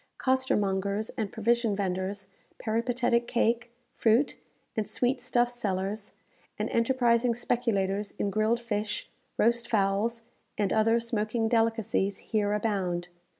Costermongers and provision vendors, peripatetic cake, fruit, and sweet stuff sellers, and enterprising speculators in grilled fish, roast fowls, and other smoking delicacies, here abound.